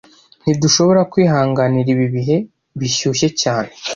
Ntidushobora kwihanganira ibi bihe bishyushye cyane